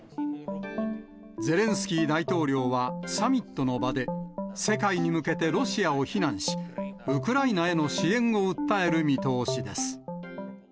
ゼレンスキー大統領はサミットの場で、世界に向けてロシアを非難し、ウクライナへの支援を訴